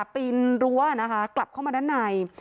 ปีนรั้วนะคะกลับเข้ามาด้านใน